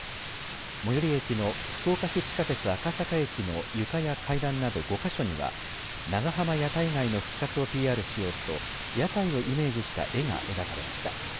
最寄り駅の福岡市営地下鉄赤坂駅の床や階段など５か所には長浜屋台街の復活をＰＲしようと屋台をイメージした絵が描かれました。